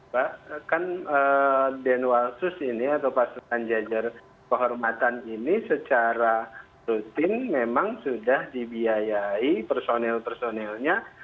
pak kan denwalsus ini atau pasukan jajar kehormatan ini secara rutin memang sudah dibiayai personil personilnya